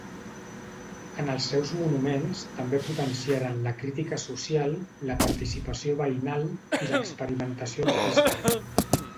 En els seus monuments també potenciaren la crítica social, la participació veïnal i l'experimentació artística.